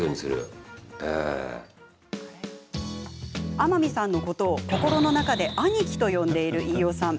天海さんのことを、心の中でアニキと呼んでいる飯尾さん。